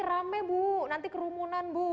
rame bu nanti kerumunan bu